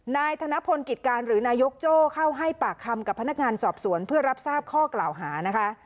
นายธนพลกิจการหรือนายกโจ้เข้าให้ปากคำกับพนักงานสอบสวนเพื่อรับทราบข้อกล่าวหานะคะ